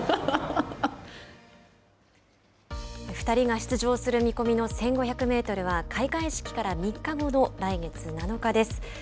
２人が出場する見込みの１５００メートルは開会式から３日後の来月７日です。